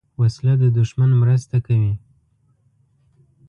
وسله د دوښمن مرسته کوي